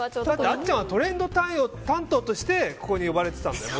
あっちゃんはトレンド担当としてここに呼ばれてたんだよ